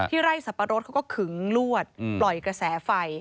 ไร่สับปะรดเขาก็ขึงลวดปล่อยกระแสไฟ